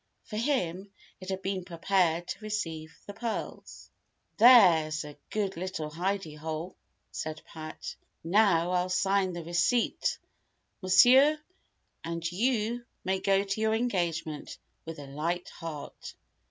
For him, it had been prepared to receive the pearls. "There's a good little hidie hole!" said Pat. "Now I'll sign the receipt, Monsieur, and you may go to your engagement with a light heart."